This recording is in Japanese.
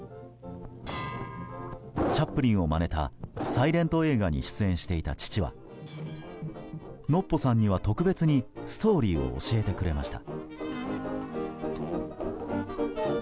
チャップリンをまねたサイレント映画に出演していた父はのっぽさんには特別にストーリーを教えてくれました。